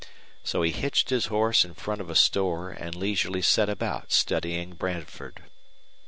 So he hitched his horse in front of a store and leisurely set about studying Bradford.